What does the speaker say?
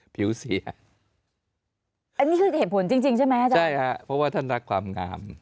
ผิวเสียอันนี้คือเหตุผลจริงจริงใช่ไหมอาจารย์ใช่ฮะเพราะว่าท่านรักความงาม